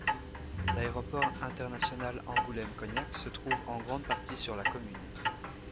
L'aéroport international Angoulême-Cognac se trouve en grande partie sur la commune.